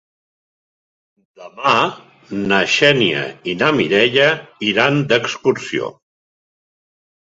Demà na Xènia i na Mireia iran d'excursió.